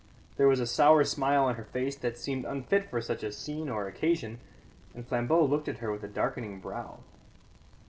There was a sour smile on her face that seemed unfit for such a scene or occasion, and Flambeau looked at her with a darkening brow.